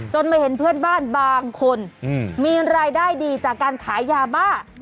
มาเห็นเพื่อนบ้านบางคนมีรายได้ดีจากการขายยาบ้า